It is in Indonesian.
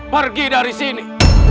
pergi dari sini